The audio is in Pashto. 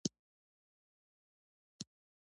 چرګان د افغانستان د موسم د بدلون سبب کېږي.